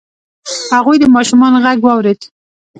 هغوی د ماشومانو غږ واورید.